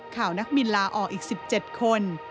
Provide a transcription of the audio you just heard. ข่าวนักบินลาออกอีก๑๗คน